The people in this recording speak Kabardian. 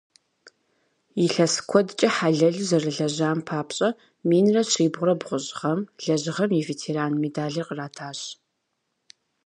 Илъэс куэдкӏэ хьэлэлу зэрылэжьам папщӏэ, минрэ щибгъурэ бгъущӏ гъэм «Лэжьыгъэм и ветеран» медалыр къратащ.